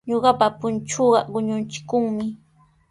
Ñuqapa punchuuqa quñuuchikunmi.